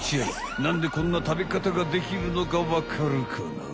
なんでこんな食べ方ができるのかわかるかな？